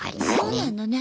そうなのね。